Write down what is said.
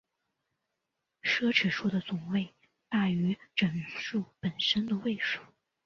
奢侈数的总位数大于整数本身的位数。